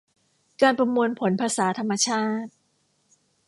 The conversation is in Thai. การประมวลผลภาษาธรรมชาติ